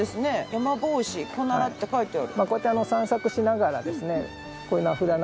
「ヤマボウシ」「コナラ」って書いてある。